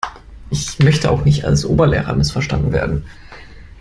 Ich möchte auch nicht als Oberlehrer missverstanden werden.